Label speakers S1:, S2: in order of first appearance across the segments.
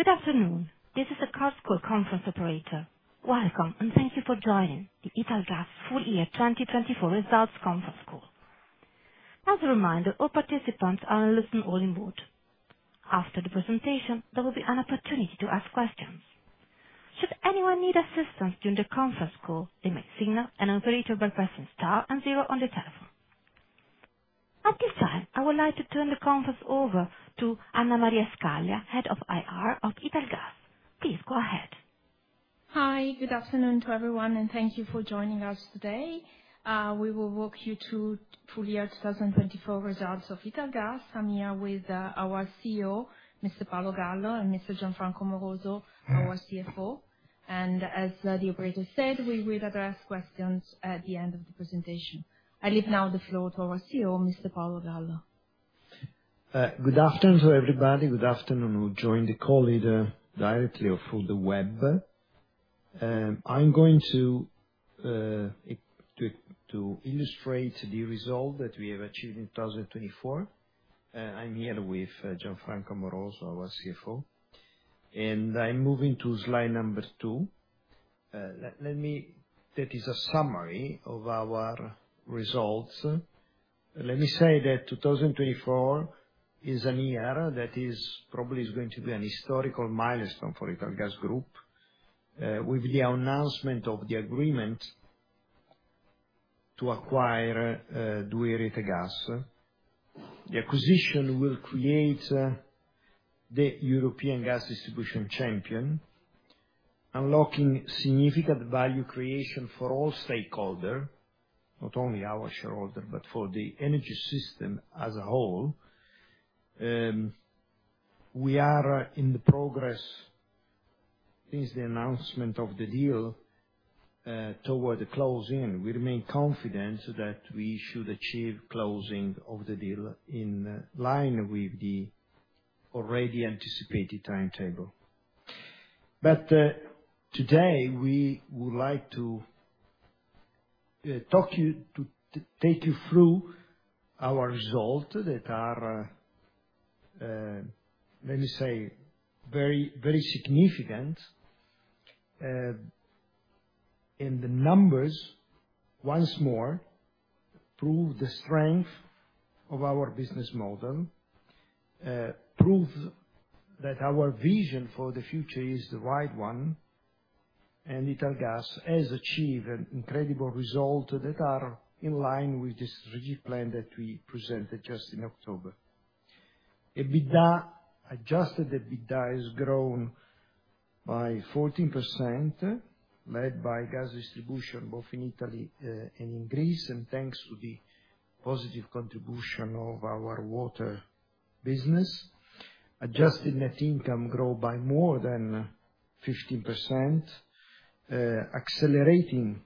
S1: Good afternoon, this is the Chorus Call conference operator. Welcome and thank you for joining the Italgas Full Year 2024 Results Conference Call. As a reminder, all participants are on listen-only mode. After the presentation, there will be an opportunity to ask questions. Should anyone need assistance during the conference call, they may signal an operator by pressing star and zero on their telephone. At this time, I would like to turn the conference over to Anna Maria Scaglia, Head of IR of Italgas. Please go ahead.
S2: Hi, good afternoon to everyone and thank you for joining us today. We will walk you through Full Year 2024 Results of Italgas. I'm here with our CEO, Mr. Paolo Gallo, and Mr. Gianfranco Amoroso, our CFO. And as the operator said, we will address questions at the end of the presentation. I leave now the floor to our CEO, Mr. Paolo Gallo.
S3: Good afternoon to everybody. Good afternoon to the call either directly or through the web. I'm going to illustrate the result that we have achieved in 2024. I'm here with Gianfranco Amoroso, our CFO. And I'm moving to slide number two. That is a summary of our results. Let me say that 2024 is a year that is probably going to be a historical milestone for Italgas Group with the announcement of the agreement to acquire 2i Rete Gas. The acquisition will create the European gas distribution champion, unlocking significant value creation for all stakeholders, not only our shareholders, but for the energy system as a whole. We are in the progress since the announcement of the deal toward the closing. We remain confident that we should achieve closing of the deal in line with the already anticipated timetable. But today, we would like to take you through our results that are, let me say, very significant. And the numbers once more prove the strength of our business model, prove that our vision for the future is the right one. And Italgas has achieved incredible results that are in line with the strategic plan that we presented just in October. EBITDA, Adjusted EBITDA, has grown by 14%, led by gas distribution both in Italy and in Greece, and thanks to the positive contribution of our water business. Adjusted net income grew by more than 15%, accelerating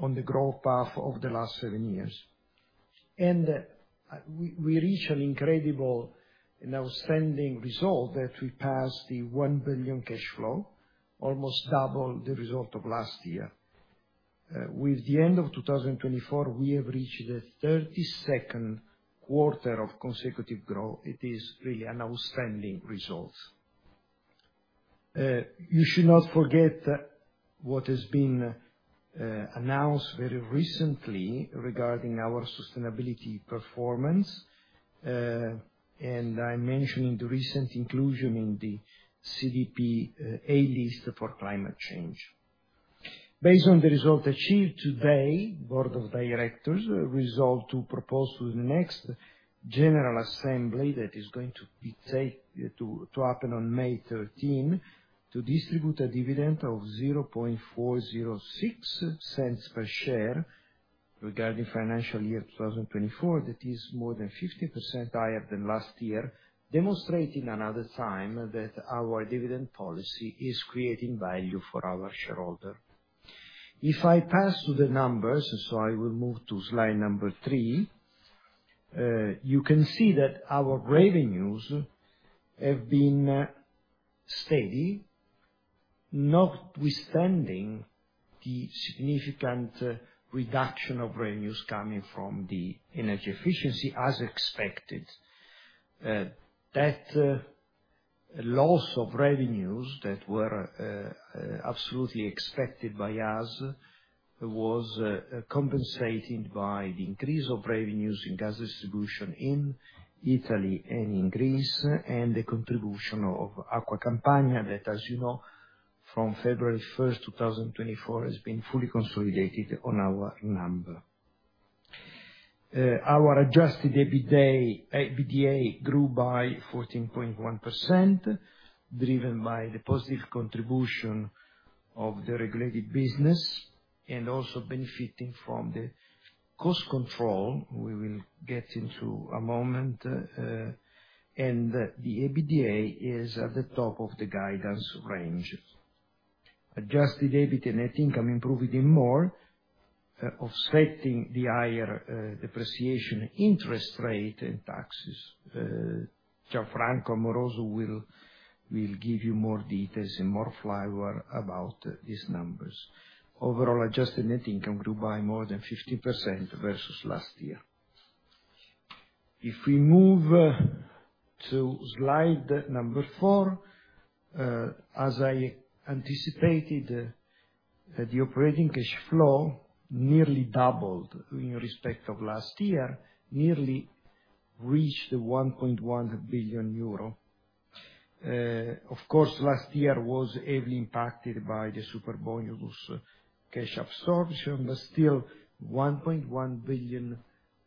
S3: on the growth path of the last seven years. And we reached an incredible and outstanding result that we passed the 1 billion cash flow, almost double the result of last year. With the end of 2024, we have reached the 32nd quarter of consecutive growth. It is really an outstanding result. You should not forget what has been announced very recently regarding our sustainability performance. I mentioned the recent inclusion in the CDP A List for climate change. Based on the result achieved today, the Board of Directors resolved to propose to the next General Assembly that is going to happen on May 13 to distribute a dividend of 0.406 per share regarding financial year 2024. That is more than 50% higher than last year, demonstrating another time that our dividend policy is creating value for our shareholders. If I pass to the numbers, so I will move to slide number three, you can see that our revenues have been steady, notwithstanding the significant reduction of revenues coming from the energy efficiency, as expected. That loss of revenues that were absolutely expected by us was compensated by the increase of revenues in gas distribution in Italy and in Greece, and the contribution of Acqua Campania that, as you know, from February 1st, 2024, has been fully consolidated in our numbers. Our adjusted EBITDA grew by 14.1%, driven by the positive contribution of the regulated business and also benefiting from the cost control. We will get into a moment and the EBITDA is at the top of the guidance range. Adjusted EBIT and net income improved even more, offsetting the higher depreciation, interest rate, and taxes. Gianfranco Amoroso will give you more details and more flavor about these numbers. Overall, adjusted net income grew by more than 15% versus last year. If we move to slide number four, as I anticipated, the operating cash flow nearly doubled in respect of last year, nearly reached 1.1 billion euro. Of course, last year was heavily impacted by the Superbonus cash absorption, but still 1.1 billion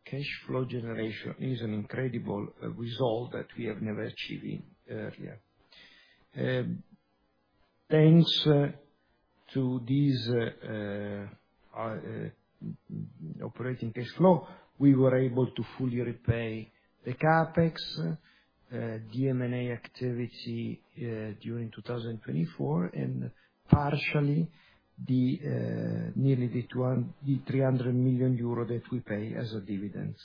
S3: cash flow generation is an incredible result that we have never achieved earlier. Thanks to this operating cash flow, we were able to fully repay the CapEx, the M&A activity during 2024, and partially the nearly 300 million euro that we pay as a dividend.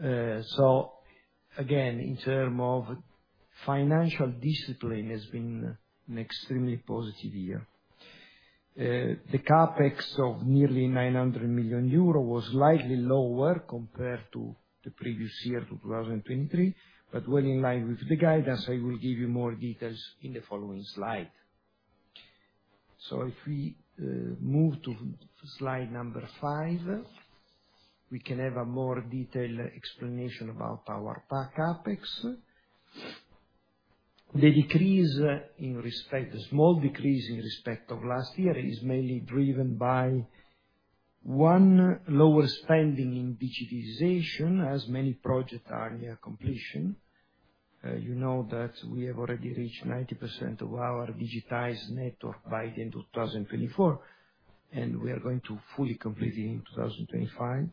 S3: So again, in terms of financial discipline, it has been an extremely positive year. The CapEx of nearly 900 million euro was slightly lower compared to the previous year, 2023, but well in line with the guidance. I will give you more details in the following slide. So if we move to slide number five, we can have a more detailed explanation about our CapEx. The decrease in respect, the small decrease in respect of last year is mainly driven by, one, lower spending in digitization, as many projects are near completion. You know that we have already reached 90% of our digitized network by the end of 2024, and we are going to fully complete it in 2025.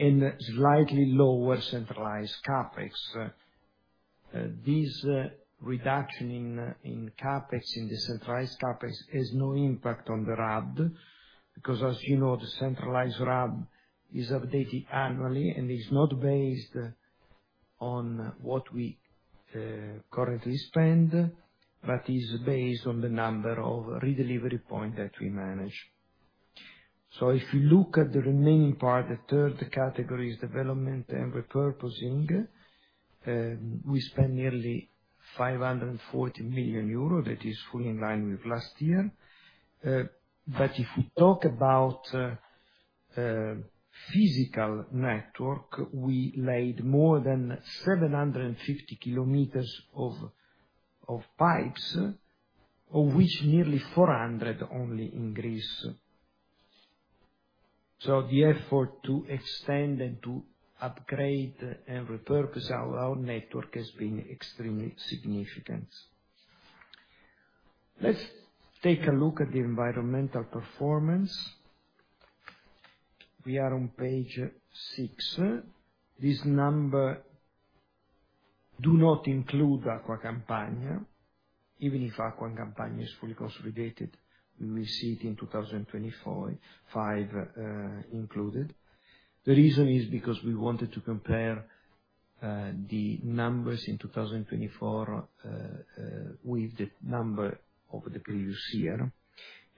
S3: And slightly lower centralized CapEx. This reduction in CapEx, in the centralized CapEx, has no impact on the RAB because, as you know, the centralized RAB is updated annually and is not based on what we currently spend, but is based on the number of redelivery points that we manage. So if you look at the remaining part, the third category is development and repurposing. We spent nearly 540 million euro. That is fully in line with last year. But if we talk about physical network, we laid more than 750 km of pipes, of which nearly 400 only in Greece. So the effort to extend and to upgrade and repurpose our network has been extremely significant. Let's take a look at the environmental performance. We are on page six. This number does not include Acqua Campania. Even if Acqua Campania is fully consolidated, we will see it in 2024, five included. The reason is because we wanted to compare the numbers in 2024 with the number of the previous year.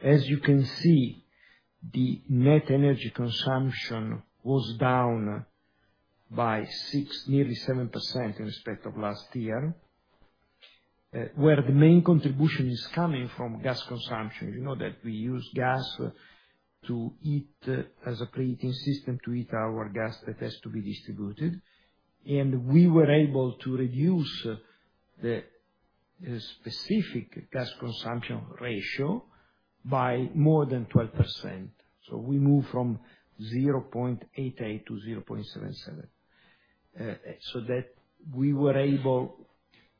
S3: As you can see, the net energy consumption was down by nearly 7% in respect of last year, where the main contribution is coming from gas consumption. You know that we use gas to heat as a preheating system to heat our gas that has to be distributed. We were able to reduce the specific gas consumption ratio by more than 12%. We moved from 0.88 to 0.77. We were able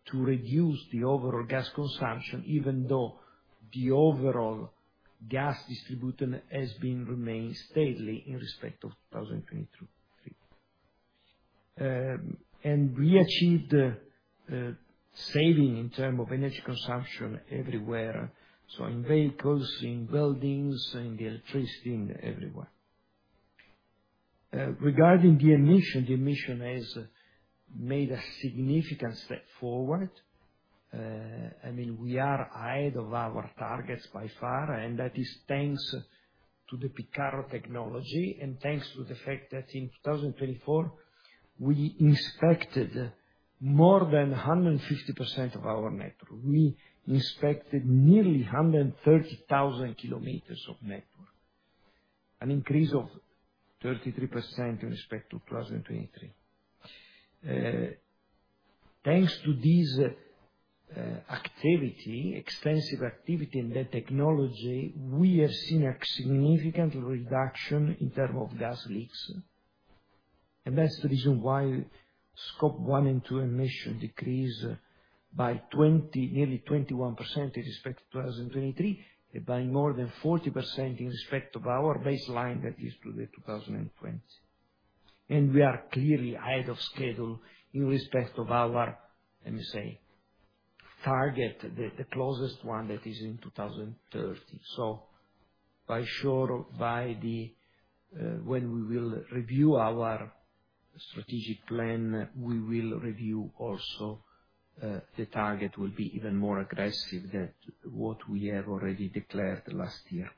S3: to reduce the overall gas consumption, even though the overall gas distribution has remained steady in respect of 2023. We achieved savings in terms of energy consumption everywhere, so in vehicles, in buildings, in electricity, everywhere. Regarding emissions, emissions have made a significant step forward. I mean, we are ahead of our targets by far, and that is thanks to the Picarro technology and thanks to the fact that in 2024, we inspected more than 150% of our network. We inspected nearly 130,000 km of network, an increase of 33% in respect to 2023. Thanks to this activity, extensive activity in the technology, we have seen a significant reduction in terms of gas leaks. That's the reason why Scope one and two emissions decreased by nearly 21% in respect to 2023 and by more than 40% in respect of our baseline that is to the 2020. We are clearly ahead of schedule in respect of our, let me say, target, the closest one that is in 2030. By the time when we will review our strategic plan, we will review also the target will be even more aggressive than what we have already declared last year.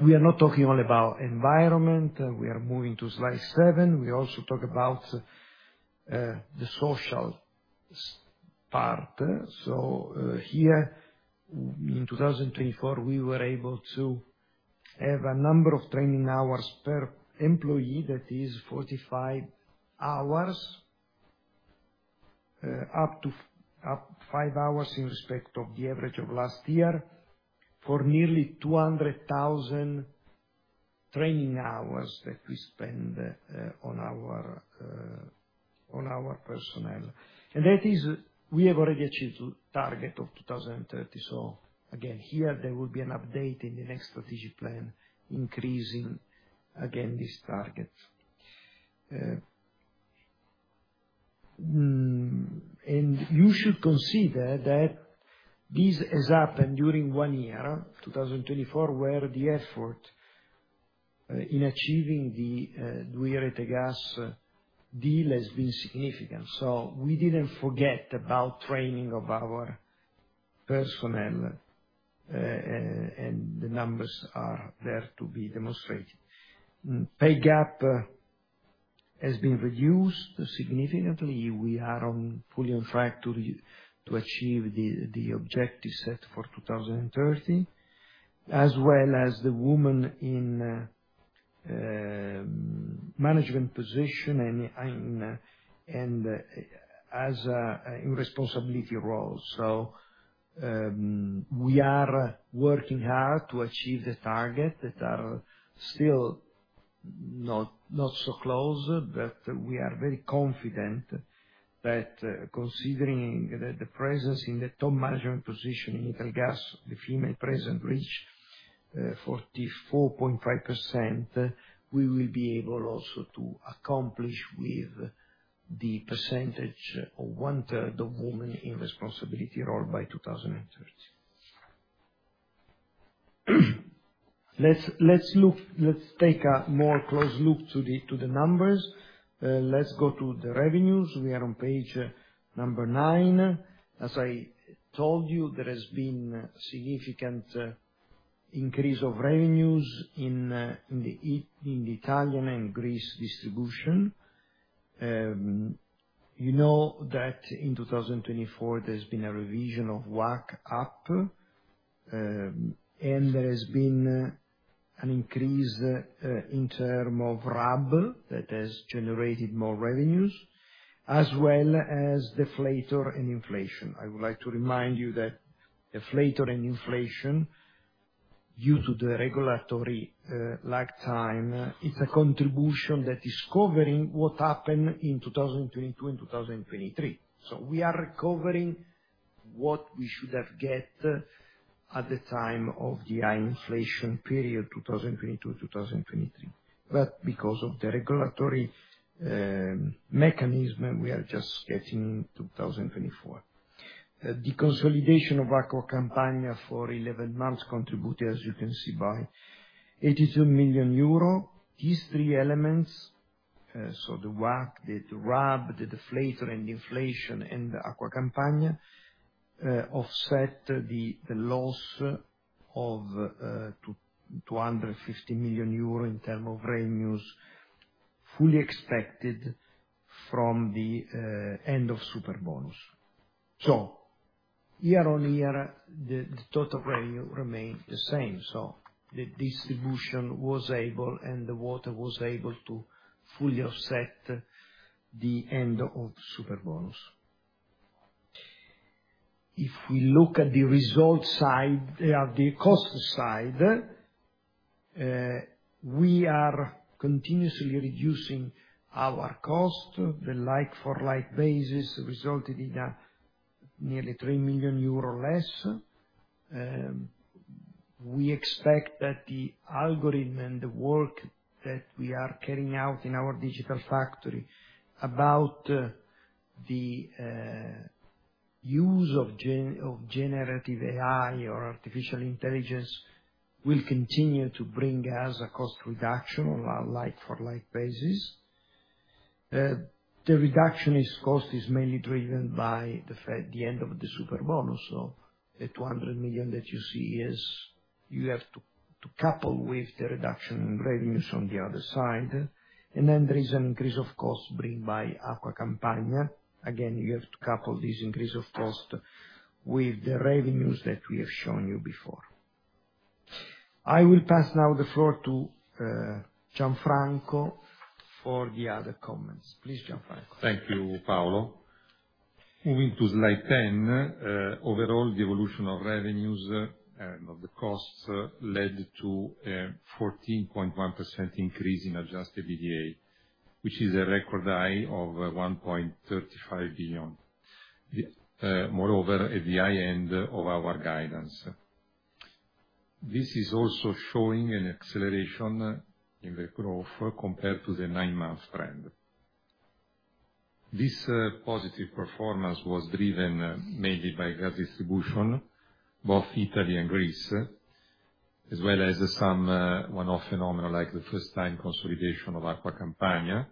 S3: We are not talking only about environment. We are moving to slide seven. We also talk about the social part. Here, in 2024, we were able to have a number of training hours per employee that is 45 hours, up to five hours in respect of the average of last year for nearly 200,000 training hours that we spend on our personnel. That is, we have already achieved the target of 2030. Again, here, there will be an update in the next strategic plan increasing again this target. You should consider that this has happened during one year, 2024, where the effort in achieving the 2i Rete Gas deal has been significant. We didn't forget about training of our personnel, and the numbers are there to be demonstrated. Pay gap has been reduced significantly. We are fully on track to achieve the objective set for 2030, as well as the woman in management position and as a responsibility role. We are working hard to achieve the target that are still not so close, but we are very confident that considering the presence in the top management position in Italgas, the female presence reached 44.5%, we will be able also to accomplish with the percentage of 1/3 of women in responsibility role by 2030. Let's take a more close look to the numbers. Let's go to the revenues. We are on page number nine. As I told you, there has been a significant increase of revenues in the Italian and Greek distribution. You know that in 2024, there has been a revision of WACC up, and there has been an increase in terms of RAB that has generated more revenues, as well as deflator and inflation. I would like to remind you that deflator and inflation, due to the regulatory lag time, it's a contribution that is covering what happened in 2022 and 2023. So we are recovering what we should have got at the time of the high inflation period, 2022, 2023. But because of the regulatory mechanism, we are just getting in 2024. The consolidation of Acqua Campania for 11 months contributed, as you can see, by 82 million euro. These three elements, so the WACC, the RAB, the deflator, and the inflation, and the Acqua Campania offset the loss of 250 million euro in terms of revenues fully expected from the end of Superbonus. So year on year, the total revenue remained the same. So the distribution was able, and the water was able to fully offset the end of Superbonus. If we look at the result side, the cost side, we are continuously reducing our cost. The like-for-like basis resulted in nearly EUR 3 million less. We expect that the algorithm and the work that we are carrying out in our Digital Factory about the use of generative AI or artificial intelligence will continue to bring us a cost reduction on like-for-like basis. The reduction in cost is mainly driven by the end of the Superbonus. So the 200 million that you see is you have to couple with the reduction in revenues on the other side. And then there is an increase of costs brought by Acqua Campania. Again, you have to couple this increase of cost with the revenues that we have shown you before. I will pass now the floor to Gianfranco for the other comments. Please, Gianfranco.
S4: Thank you, Paolo. Moving to slide 10, overall, the evolution of revenues and of the costs led to a 14.1% increase in adjusted EBITDA, which is a record high of 1.35 billion. Moreover, at the high end of our guidance. This is also showing an acceleration in the growth compared to the nine-month trend. This positive performance was driven mainly by gas distribution, both Italy and Greece, as well as some one-off phenomena like the first-time consolidation of Acqua Campania.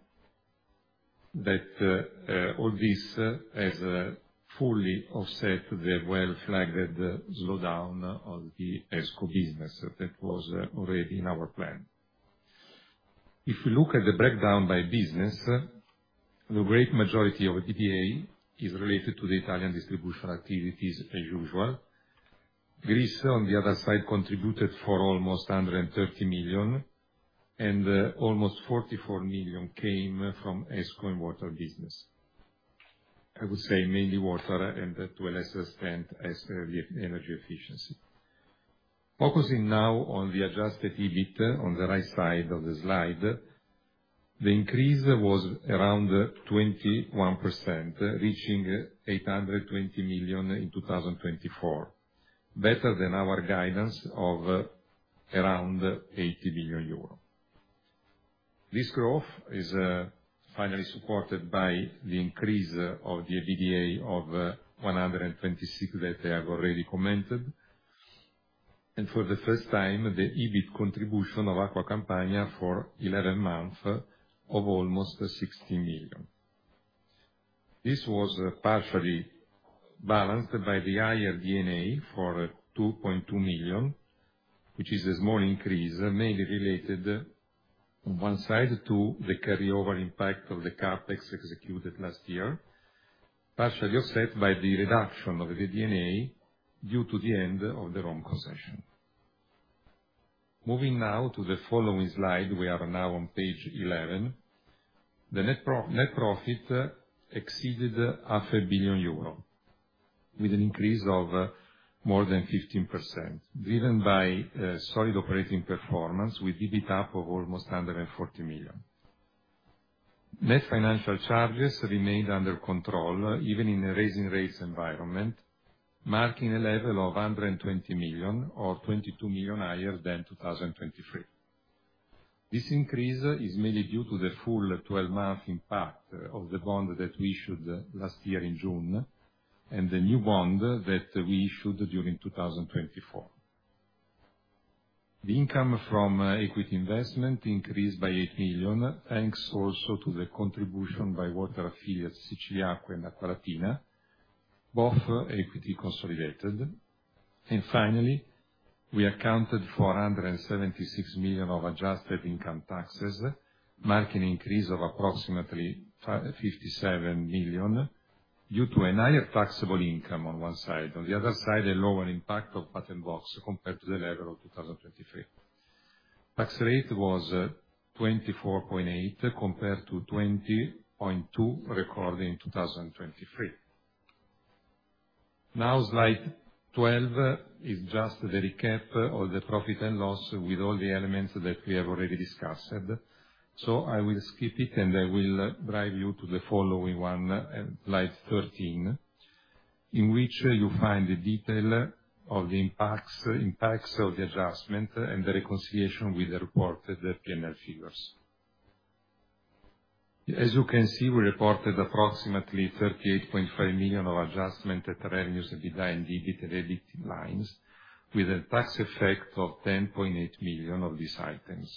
S4: That all this has fully offset the well-flagged slowdown of the ESCO business that was already in our plan. If we look at the breakdown by business, the great majority of EBITDA is related to the Italian distribution activities, as usual. Greece, on the other side, contributed for almost 130 million, and almost 44 million came from ESCO and water business. I would say mainly water and, to a lesser extent, energy efficiency. Focusing now on the Adjusted EBITDA on the right side of the slide, the increase was around 21%, reaching 820 million in 2024, better than our guidance of around 80 million euro. This growth is finally supported by the increase of the EBITDA of 126 million that I have already commented. And for the first time, the EBIT contribution of Acqua Campania for 11 months of almost 16 million. This was partially balanced by the higher D&A for 2.2 million, which is a small increase, mainly related on one side to the carryover impact of the CapEx executed last year, partially offset by the reduction of the D&A due to the end of the Rome concession. Moving now to the following slide, we are now on page 11. The net profit exceeded 500 million euro with an increase of more than 15%, driven by solid operating performance with EBITDA of almost 140 million. Net financial charges remained under control, even in a rising rates environment, marking a level of 120 million or 22 million higher than 2023. This increase is mainly due to the full 12-month impact of the bond that we issued last year in June and the new bond that we issued during 2024. The income from equity investment increased by 8 million, thanks also to the contribution by water affiliates Siciliacque and Acqualatina, both equity consolidated. And finally, we accounted for 176 million of adjusted income taxes, marking an increase of approximately 57 million due to a higher taxable income on one side. On the other side, a lower impact of Patent Box compared to the level of 2023. Tax rate was 24.8% compared to 20.2% recorded in 2023. Now, slide 12 is just the recap of the profit and loss with all the elements that we have already discussed. So I will skip it, and I will drive you to the following one, slide 13, in which you find the detail of the impacts of the adjustment and the reconciliation with the reported P&L figures. As you can see, we reported approximately 38.5 million of adjustment revenues in the EBIT and EBITDA lines, with a tax effect of 10.8 million of these items.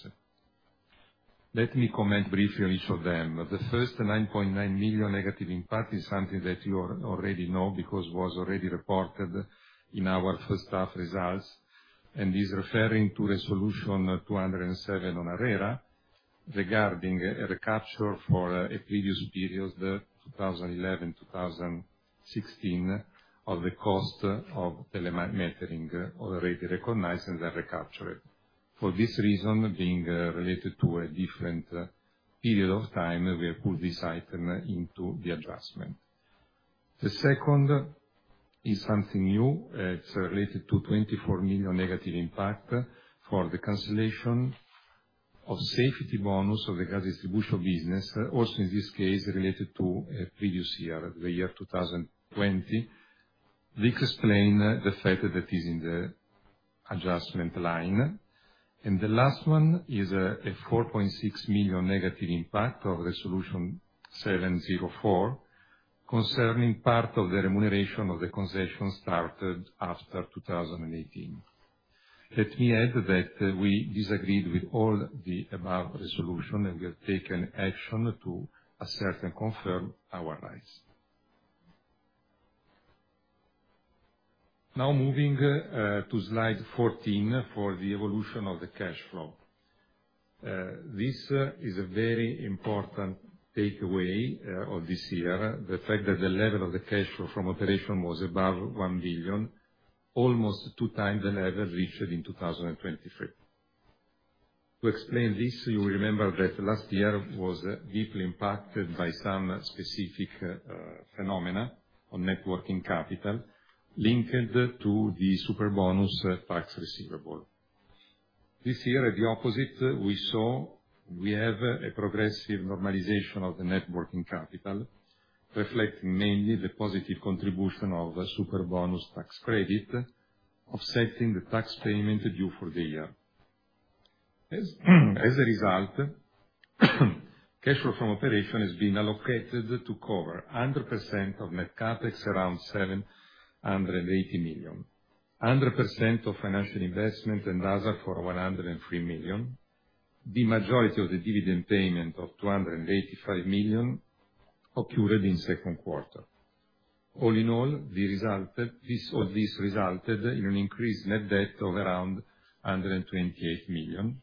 S4: Let me comment briefly on each of them. The first 9.9 million negative impact is something that you already know because it was already reported in our first-half results, and this is referring to Resolution 207 on ARERA regarding a recapture for a previous period, 2011-2016, of the cost of telemetering already recognized and then recaptured. For this reason, being related to a different period of time, we have put this item into the adjustment. The second is something new. It's related to 24 million negative impact for the cancellation of safety bonus of the gas distribution business, also in this case related to a previous year, the year 2020. This explains the fact that it is in the adjustment line, and the last one is a 4.6 million negative impact of Resolution 704 concerning part of the remuneration of the concession started after 2018. Let me add that we disagreed with all the above resolution, and we have taken action to assert and confirm our rights. Now, moving to slide 14 for the evolution of the cash flow. This is a very important takeaway of this year, the fact that the level of the cash flow from operations was above 1 billion, almost two times the level reached in 2023. To explain this, you will remember that last year was deeply impacted by some specific phenomena on working capital linked to the Superbonus tax receivable. This year, at the opposite, we saw we have a progressive normalization of the working capital, reflecting mainly the positive contribution of Superbonus tax credit, offsetting the tax payment due for the year. As a result, cash flow from operation has been allocated to cover 100% of net CapEx, around 780 million, 100% of financial investment and other for 103 million. The majority of the dividend payment of 285 million occurred in second quarter. All in all, this resulted in an increased net debt of around 128 million,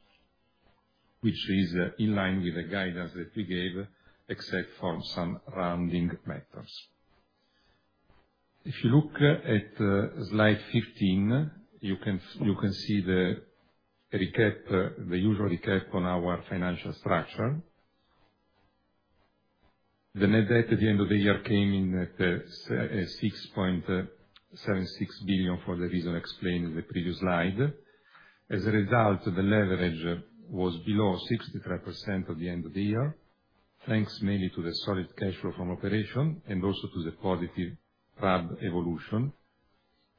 S4: which is in line with the guidance that we gave, except for some rounding matters. If you look at slide 15, you can see the usual recap on our financial structure. The net debt at the end of the year came in at 6.76 billion for the reason explained in the previous slide. As a result, the leverage was below 63% at the end of the year, thanks mainly to the solid cash flow from operation and also to the positive RAB evolution,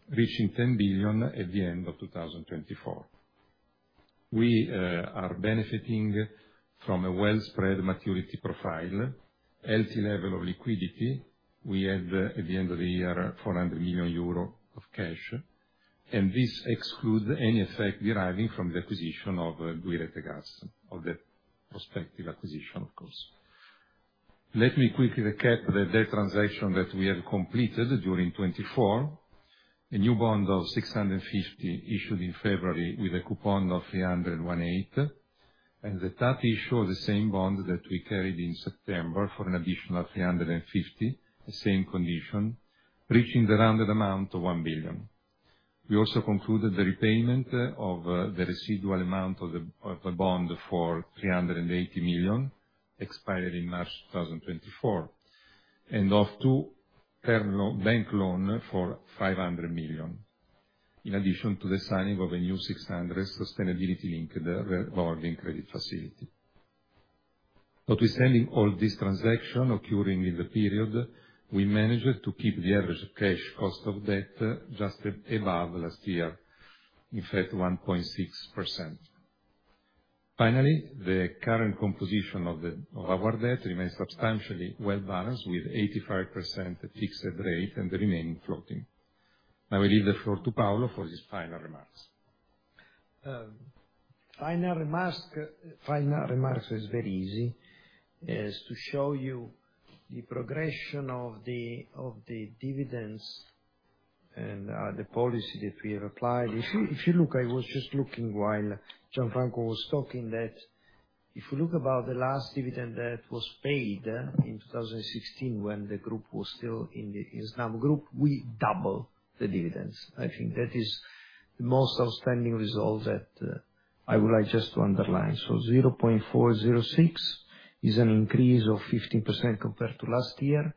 S4: reaching 10 billion at the end of 2024. We are benefiting from a well-spread maturity profile, healthy level of liquidity. We had, at the end of the year, 400 million euro of cash, and this excludes any effect deriving from the acquisition of 2i Rete Gas, of the prospective acquisition, of course. Let me quickly recap the transaction that we have completed during 2024, a new bond of 650 million issued in February with a coupon of 3.18%, and the tap issued the same bond that we carried in September for an additional 350 million, the same condition, reaching the rounded amount of 1 billion. We also concluded the repayment of the residual amount of the bond for 380 million, expiring in March 2024, and of two bank loans for 500 million, in addition to the signing of a new 600 million sustainability-linked revolving credit facility. Notwithstanding all these transactions occurring in the period, we managed to keep the average cash cost of debt just above last year, in fact, 1.6%. Finally, the current composition of our debt remains substantially well balanced with 85% fixed rate and the remaining floating. Now, I leave the floor to Paolo for his final remarks.
S3: Final remarks is very easy. It's to show you the progression of the dividends and the policy that we have applied. If you look, I was just looking while Gianfranco was talking that if we look about the last dividend that was paid in 2016 when the group was still in the Snam group, we doubled the dividends. I think that is the most outstanding result that I would like just to underline. So 0.406 is an increase of 15% compared to last year.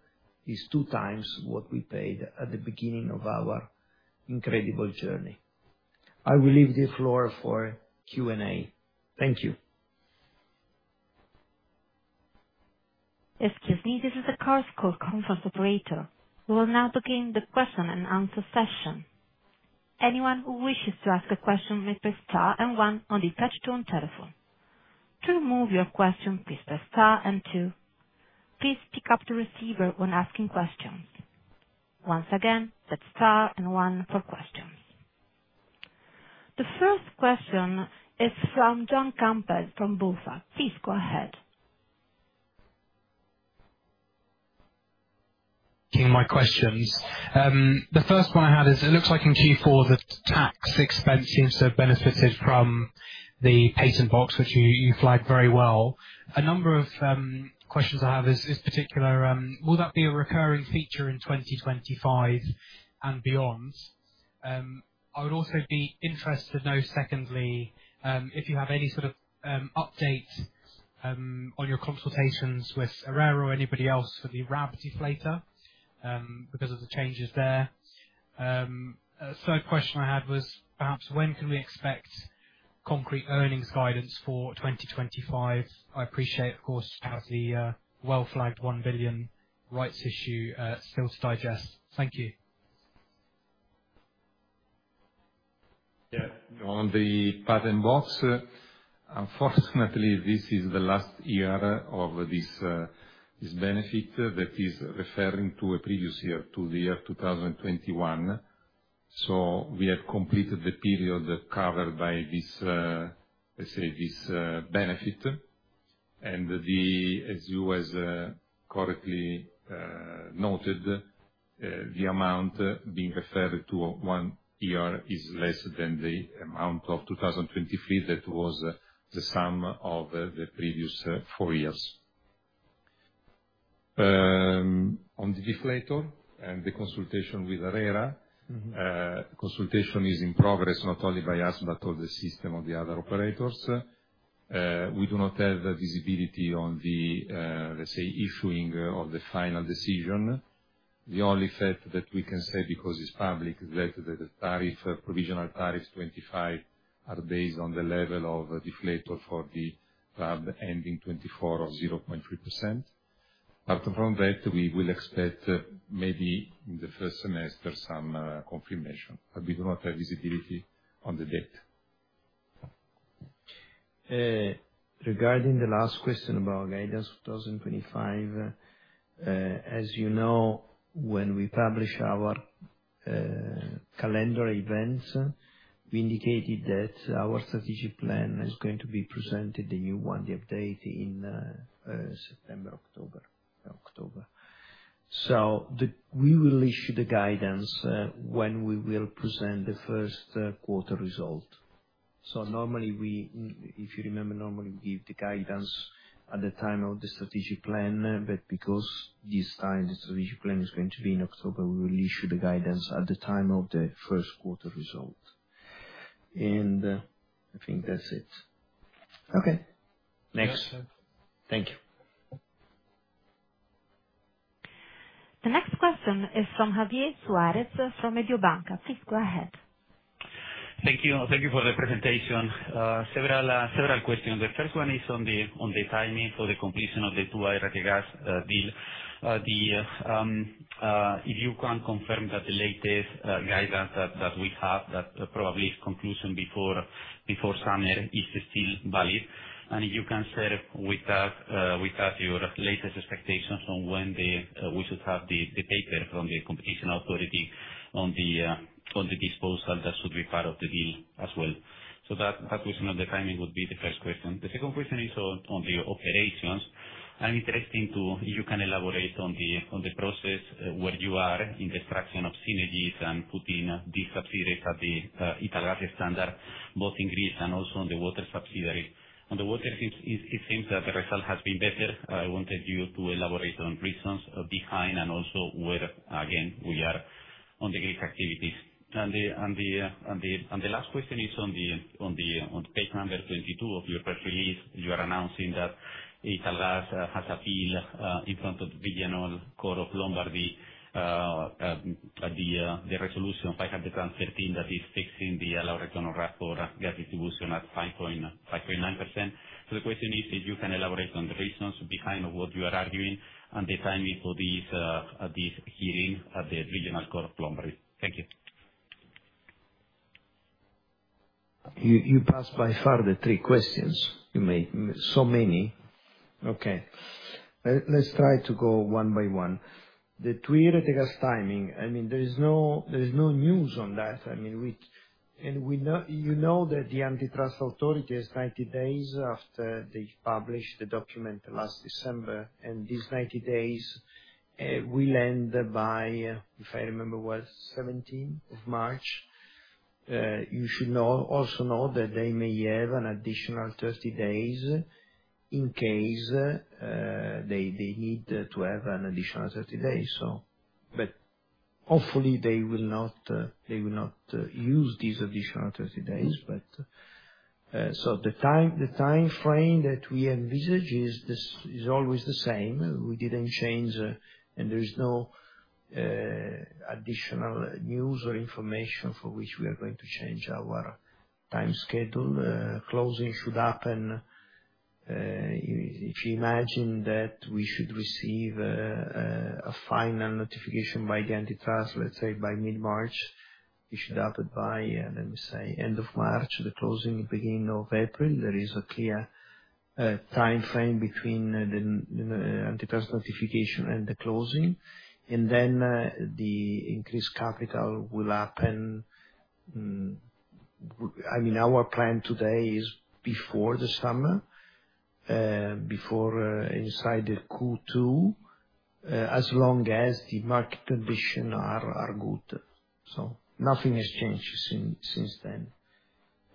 S3: It's two times what we paid at the beginning of our incredible journey. I will leave the floor for Q&A. Thank you.
S1: Excuse me, this is a Chorus Call conference operator. We will now begin the question and answer session. Anyone who wishes to ask a question may press star and one on the touch-tone telephone. To remove your question, please press star and two. Please pick up the receiver when asking questions. Once again, that's star and one for questions. The first question is from Gianfranco from BofA. Please go ahead. My questions. The first one I had is it looks like in Q4, the tax expense seems to have benefited from the Patent Box, which you flagged very well. A number of questions I have, in particular, will that be a recurring feature in 2025 and beyond? I would also be interested to know, secondly, if you have any sort of updates on your consultations with ARERA or anybody else for the RAB deflator because of the changes there. A third question I had was perhaps when can we expect concrete earnings guidance for 2025? I appreciate, of course, as the well-flagged 1 billion rights issue still to digest. Thank you.
S4: Yeah, on the Patent Box, unfortunately, this is the last year of this benefit that is referring to a previous year, to the year 2021. So we have completed the period covered by this, let's say, this benefit. And as you have correctly noted, the amount being referred to one year is less than the amount of 2023 that was the sum of the previous four years. On the deflator and the consultation with ARERA, consultation is in progress, not only by us, but all the system of the other operators. We do not have visibility on the, let's say, issuing of the final decision. The only fact that we can say, because it's public, is that the provisional tariffs 25 are based on the level of deflator for the RAB ending 2024 of 0.3%. Apart from that, we will expect maybe in the first semester some confirmation, but we do not have visibility on the date. Regarding the last question about guidance for 2025, as you know, when we publish our calendar events, we indicated that our strategic plan is going to be presented, the new one, the update in September, October. So we will issue the guidance when we will present the first quarter result. So normally, if you remember, normally we give the guidance at the time of the strategic plan, but because this time the strategic plan is going to be in October, we will issue the guidance at the time of the first quarter result. And I think that's it. Okay.
S3: Next. Thank you.
S1: The next question is from Javier Suarez from Mediobanca. Please go ahead.
S5: Thank you for the presentation. Several questions. The first one is on the timing for the completion of the 2i Rete Gas deal. If you can confirm that the latest guidance that we have, that probably is conclusion before summer, is still valid. And if you can share with us your latest expectations on when we should have the paper from the competition authority on the disposal that should be part of the deal as well. So that question of the timing would be the first question. The second question is on the operations. I'm interested in you can elaborate on the process where you are in the extraction of synergies and putting these subsidiaries at the Italgas standard, both in Greece and also on the water subsidiary. On the waters, it seems that the result has been better. I wanted you to elaborate on reasons behind and also where, again, we are on the Greek activities. And the last question is on the page number 22 of your press release. You are announcing that Italgas has appealed in front of the Regional Court of Lombardy at the Resolution 513 that is fixing the allowed return on RAB for gas distribution at 5.9%. So the question is if you can elaborate on the reasons behind what you are arguing and the timing for these hearings at the Regional Court of Lombardy. Thank you.
S3: You passed by far the three questions. You made so many. Okay. Let's try to go one by one. The 2i Rete Gas timing, I mean, there is no news on that. I mean, you know that the antitrust authority has 90 days after they published the document last December, and these 90 days will end by, if I remember well, 17th of March. You should also know that they may have an additional 30 days in case they need to have an additional 30 days. But hopefully, they will not use these additional 30 days. So the timeframe that we envisage is always the same. We didn't change, and there is no additional news or information for which we are going to change our time schedule. Closing should happen. If you imagine that we should receive a final notification by the antitrust, let's say by mid-March. It should happen by, let me say, end of March. The closing beginning of April. There is a clear timeframe between the antitrust notification and the closing, and then the increased capital will happen. I mean, our plan today is before the summer, inside the Q2, as long as the market conditions are good, so nothing has changed since then.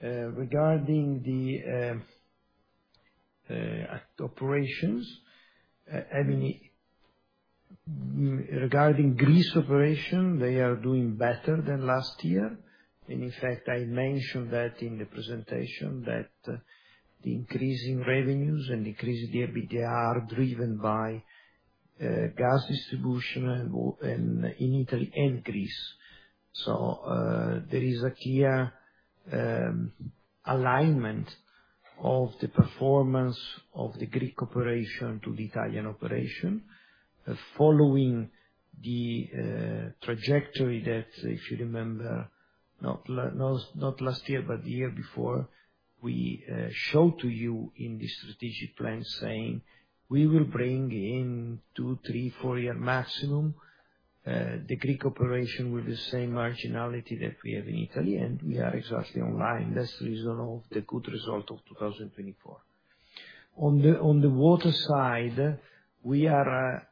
S3: Regarding the operations, I mean, regarding Greece operation, they are doing better than last year, and in fact, I mentioned that in the presentation that the increase in revenues and increase in EBITDA are driven by gas distribution in Italy and Greece. There is a clear alignment of the performance of the Greek operation to the Italian operation following the trajectory that, if you remember, not last year, but the year before, we showed to you in the strategic plan saying, "We will bring in two, three, four-year maximum, the Greek operation with the same marginality that we have in Italy, and we are exactly online." That's the reason of the good result of 2024. On the water side, we are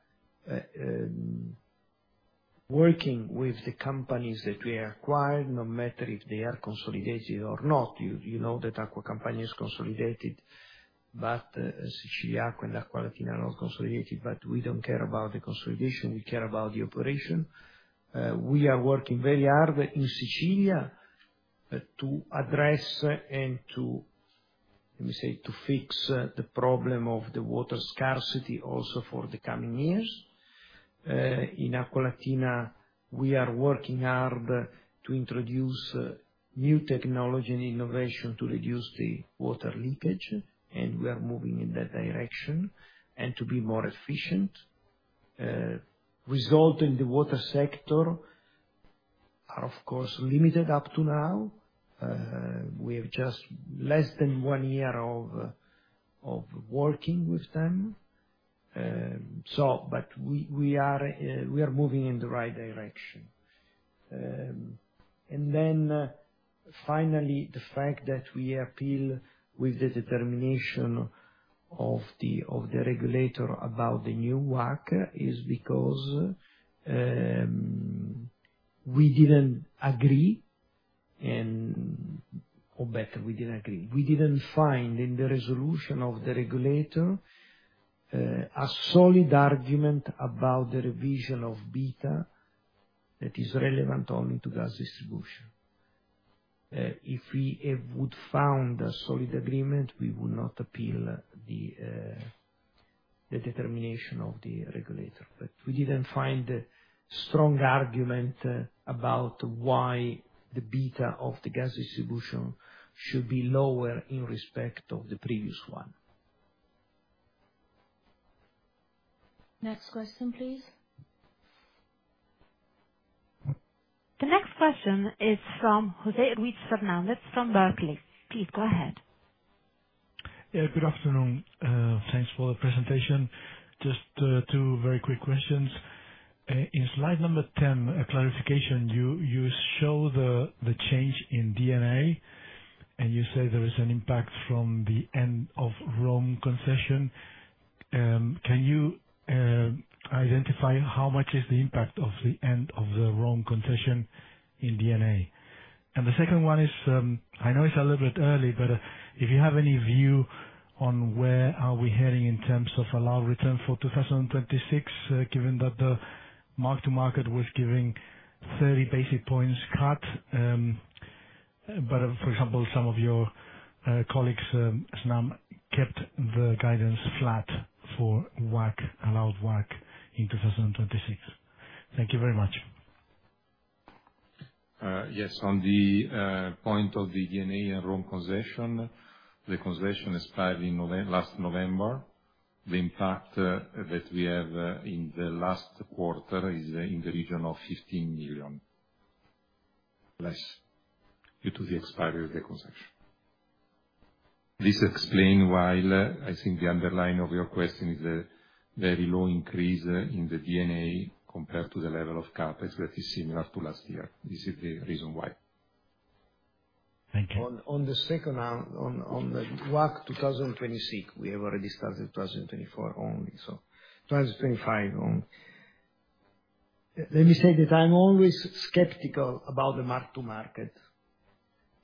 S3: working with the companies that we have acquired, no matter if they are consolidated or not. You know that Acqua Campania is consolidated, but Siciliacque and Acqualatina are not consolidated, but we don't care about the consolidation. We care about the operation. We are working very hard in Sicily to address and to, let me say, to fix the problem of the water scarcity also for the coming years. In Acqualatina, we are working hard to introduce new technology and innovation to reduce the water leakage, and we are moving in that direction and to be more efficient. Results in the water sector are, of course, limited up to now. We have just less than one year of working with them. But we are moving in the right direction. And then finally, the fact that we appeal with the determination of the regulator about the new WACC is because we didn't agree, or better, we didn't agree. We didn't find in the resolution of the regulator a solid argument about the revision of beta that is relevant only to gas distribution. If we would found a solid agreement, we would not appeal the determination of the regulator. But we didn't find a strong argument about why the beta of the gas distribution should be lower in respect of the previous one.
S1: Next question, please. The next question is from David Fernandez from Barclays. Please go ahead.
S6: Yeah, good afternoon. Thanks for the presentation. Just two very quick questions. In slide number 10, a clarification, you show the change in EBITDA, and you say there is an impact from the end of Rome concession. Can you identify how much is the impact of the end of the Rome concession in EBITDA? And the second one is, I know it's a little bit early, but if you have any view on where are we heading in terms of allowed return for 2026, given that the mark-to-market was giving 30 basis points cut. But for example, some of your colleagues kept the guidance flat for allowed WACC in 2026. Thank you very much.
S4: Yes. On the point of the D&A and Rome concession, the concession expired last November. The impact that we have in the last quarter is in the region of 15 million less due to the expiry of the concession. This explains why I think the underlying of your question is a very low increase in the D&A compared to the level of CapEx that is similar to last year. This is the reason why.
S6: Thank you.
S3: On the second, on the WACC 2026, we have already started 2024 only, so 2025 only. Let me say that I'm always skeptical about the mark-to-market,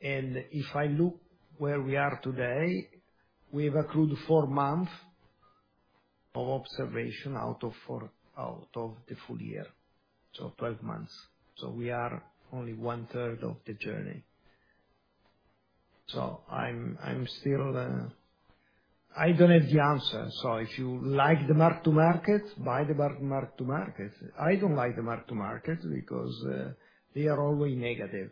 S3: and if I look where we are today, we've accrued four months of observation out of the full year, so 12 months, so we are only 1/3 of the journey, so I don't have the answer, so if you like the mark-to-market, buy the mark-to-market. I don't like the mark-to-market because they are always negative,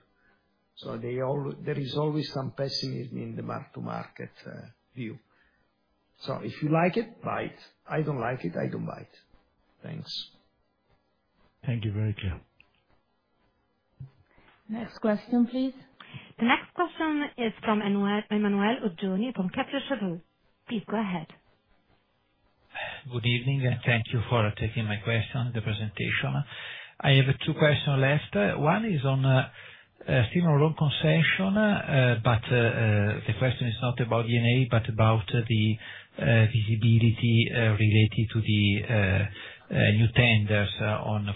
S3: so there is always some pessimism in the mark-to-market view, so if you like it, buy it. I don't like it, I don't buy it. Thanks.
S6: Thank you. Very clear.
S1: Next question, please. The next question is from Emanuele Oggioni from Kepler Cheuvreux. Please go ahead.
S7: Good evening, and thank you for taking my question on the presentation. I have two questions left. One is on the Rome concession, but the question is not about D&A, but about the visibility related to the new tenders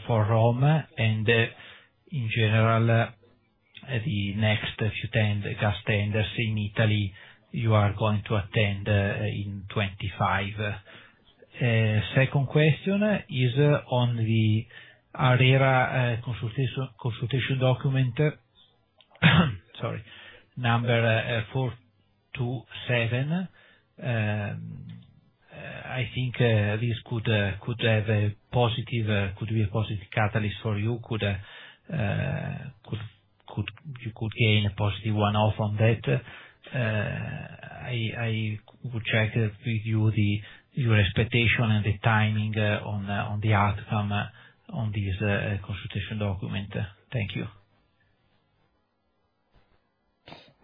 S7: for Rome. And in general, the next few gas tenders in Italy, you are going to attend in 2025. Second question is on the ARERA consultation document, sorry, number 427. I think this could be a positive catalyst for you. You could gain a positive one-off on that. I would check with you your expectation and the timing on the outcome on this consultation document. Thank you.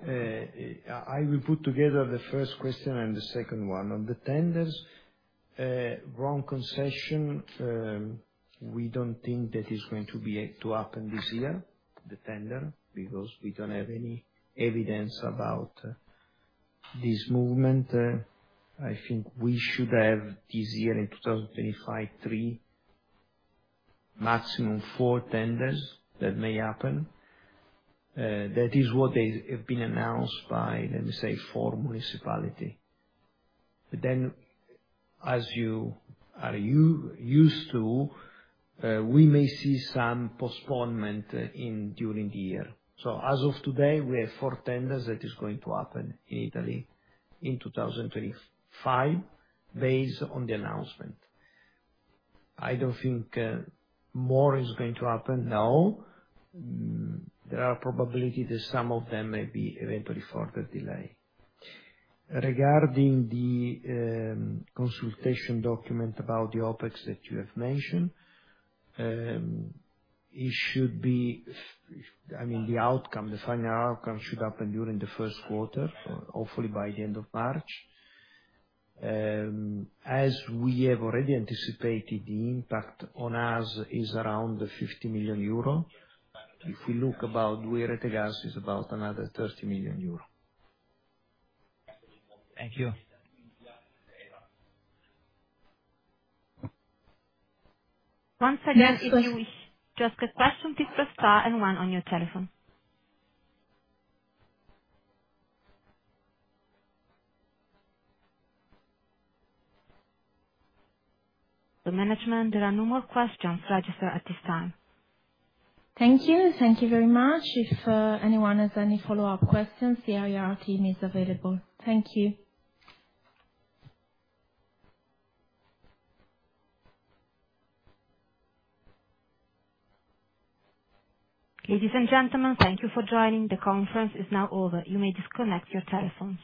S4: I will put together the first question and the second one. On the tenders, Rome concession, we don't think that it's going to happen this year, the tender, because we don't have any evidence about this movement. I think we should have this year in 2025, three maximum four tenders that may happen. That is what has been announced by, let me say, four municipalities. But then, as you are used to, we may see some postponement during the year. So as of today, we have four tenders that are going to happen in Italy in 2025 based on the announcement. I don't think more is going to happen. No. There are probabilities that some of them may be eventually further delayed. Regarding the consultation document about the OpEx that you have mentioned, it should be I mean, the final outcome should happen during the first quarter, hopefully by the end of March. As we have already anticipated, the impact on us is around 50 million euro. If we look about the 2i Rete Gas is about another 30 million euro.
S7: Thank you.
S1: Once again, if you wish, just a question, please, press star one on your telephone. The management, there are no more questions registered at this time.
S2: Thank you. Thank you very much. If anyone has any follow-up questions, the IR team is available. Thank you.
S1: Ladies and gentlemen, thank you for joining. The conference is now over. You may disconnect your telephones.